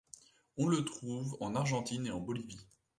On le trouve en Argentine et en Bolivie.